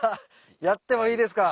やってもいいですか？